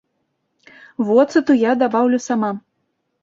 Воцату я дабаўлю сама.